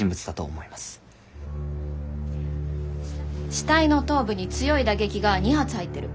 死体の頭部に強い打撃が２発入ってる。